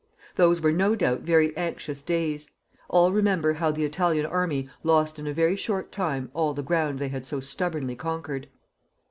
Those were no doubt very anxious days. All remember how the Italian army lost in a very short time all the ground they had so stubbornly conquered.